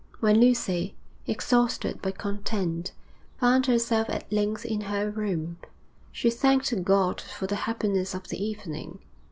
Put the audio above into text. When Lucy, exhausted but content, found herself at length in her room, she thanked God for the happiness of the evening.